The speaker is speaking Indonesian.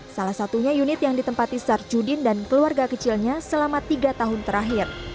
salah satunya unit yang ditempati sarjudin dan keluarga kecilnya selama tiga tahun terakhir